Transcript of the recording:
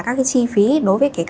các cái chi phí đối với